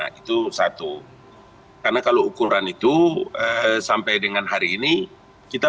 hari ini kita harus menguruskan kegiatan dan kekuatan itu di dalam perangkat maka saya mengatakan